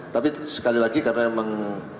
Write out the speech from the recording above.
tapi sekali lagi karena memang